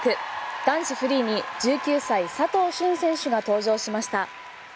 男子フリーに１９歳佐藤駿選手が登場しました。